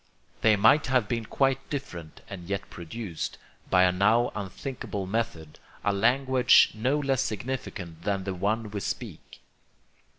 They might have been quite different and yet produced, by a now unthinkable method, a language no less significant than the one we speak.